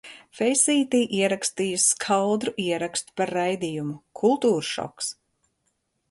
Feisītī ierakstīju skaudru ierakstu par raidījumu Kultūršoks.